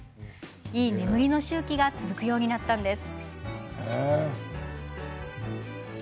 いい眠りの周期が続くようになったんです。